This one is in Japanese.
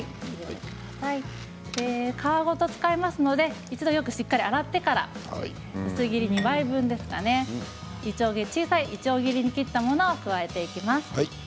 皮ごと使いますので一度しっかり洗ってから薄切り２枚分ですね小さいいちょう切りにしたものを加えていきます。